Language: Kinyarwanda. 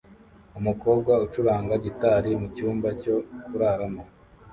umukobwa ucuranga gitari mucyumba cyo kuraramo